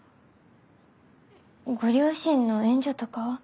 ご両親の援助とかは？